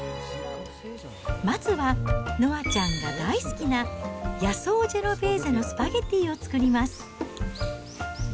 まずは、のあちゃんが大好きな野草ジェノベーゼのスパゲティを作ります。